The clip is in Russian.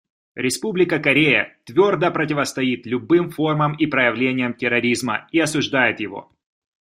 Республика Корея твердо противостоит любым формам и проявлениям терроризма и осуждает его.